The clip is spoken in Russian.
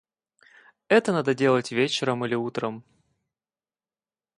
Это надо делать вечером или утром!